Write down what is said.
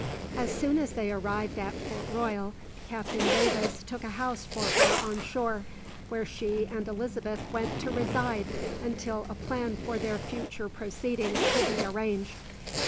As soon as they arrived at Port Royal, Captain Davis took a house for her on shore, where she and Elizabeth went to reside till a plan for their future proceedings could be arranged.